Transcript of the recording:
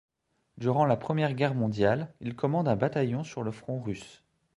Durant la Première Guerre mondiale, il commande un bataillon sur le front russe.